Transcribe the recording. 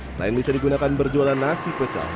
selain bisa digunakan berjualan nasi pecel